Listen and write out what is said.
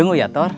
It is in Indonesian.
tunggu ya thor